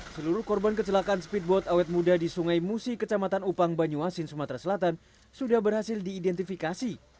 seluruh korban kecelakaan speedboat awet muda di sungai musi kecamatan upang banyuasin sumatera selatan sudah berhasil diidentifikasi